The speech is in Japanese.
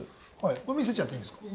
これ見せちゃっていいんですか？